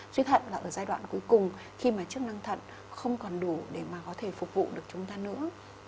suy thận là ở giai đoạn cuối cùng khi mà chức năng thận không còn đủ để mà có thể phục vụ được chúng ta nữa